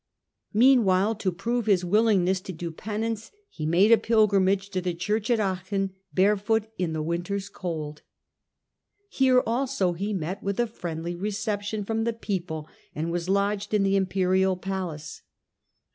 Meanwhile to prove his willingness to do penance he made a pilgrimage to the church at Aachen barefoot in the winter's cold. Here also he met with a friendly re ception from the people and was lodged in the imperial palace.